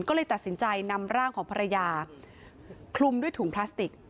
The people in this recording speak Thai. ก็เลยตัดสินใจนำร่างของภรรยาคลุมด้วยถุงพลาสติก